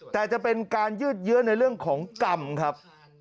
แต่จะเป็นการยืดเยื้อในเรื่องของกรรมครับ